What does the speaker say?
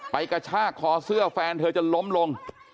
กระชากคอเสื้อแฟนเธอจนล้มลง